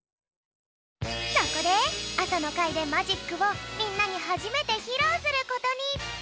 そこであさのかいでマジックをみんなにはじめてひろうすることに。